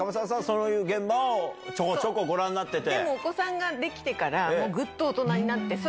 そういう現場をちょこちょこご覧になってて。